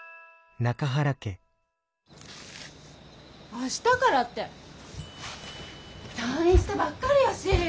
明日からって退院したばっかりやし